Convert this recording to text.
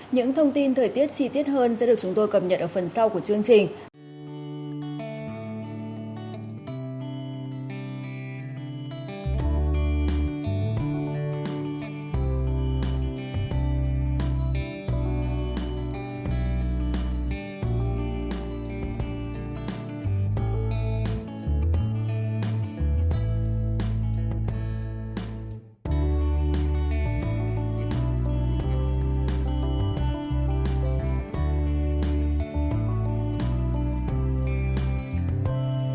những thông tin thời tiết chi tiết hơn sẽ được chúng tôi cập nhật ở phần sau của chương trình